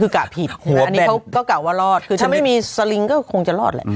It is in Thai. คือกะผิดหัวก็กำว่ารอดคือถ้าไม่มีสลิงก็คงจะรอดแหละ